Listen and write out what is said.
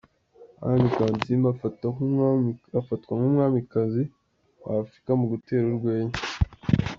Anne Kansiime afatwa nk'umwamikazi wa Afrika mu gutera urwenya.